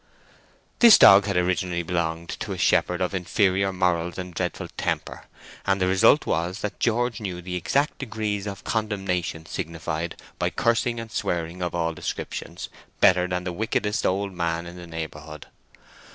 This dog had originally belonged to a shepherd of inferior morals and dreadful temper, and the result was that George knew the exact degrees of condemnation signified by cursing and swearing of all descriptions better than the wickedest old man in the neighbourhood.